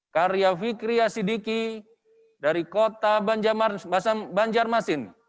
karya fikriya sidiki dari kota banjarmasin